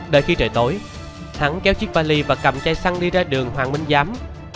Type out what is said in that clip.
đợi khi trời tối thắng kéo chiếc vali và cầm chai xăng đi ra đường hoàng minh giám